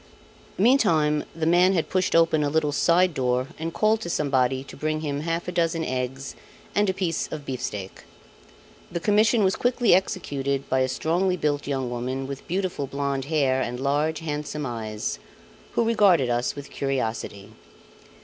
Meantime the man had pushed open a little side door and called to somebody to bring him half a dozen eggs and a piece of beefsteak. The commission was quickly executed by a strongly built young woman with beautiful blonde hair and large, handsome eyes, who regarded us with curiosity.